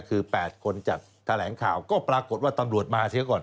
คือ๘คนจัดแถลงข่าวก็ปรากฏว่าตำรวจมาเสียก่อน